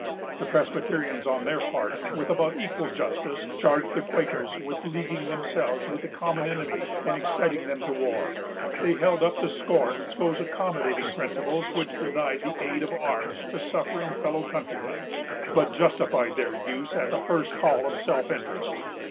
The Presbyterians, on their part, with about equal justice, charged the Quakers with leaguing themselves with the common enemy and exciting them to war. They held up to scorn those accommodating principles which denied the aid of arms to suffering fellow countrymen, but justified their use at the first call of self interest.